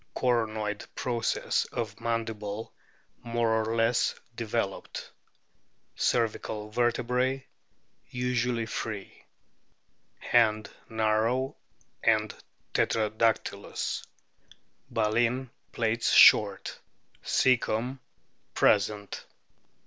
Coronoid process of mandible more or less developed. Cervical vertebrse usually free. Hand narrow and tetradactylous. Baleen plates short. Caecum present.